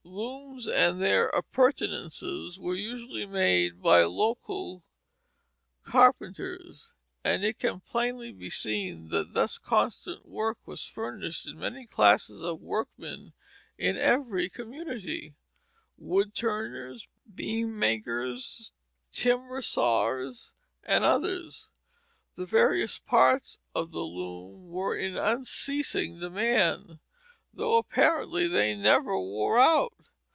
Looms and their appurtenances were usually made by local carpenters; and it can plainly be seen that thus constant work was furnished to many classes of workmen in every community, wood turners, beam makers, timber sawyers, and others. The various parts of the looms were in unceasing demand, though apparently they never wore out.